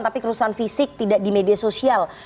tapi kerusuhan fisik tidak di media sosial